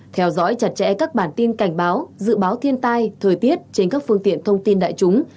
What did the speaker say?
theo dõi chặt chẽ các bản tin cảnh báo dự báo thiên tai thời tiết trên các phương tiện thông tin đại chúng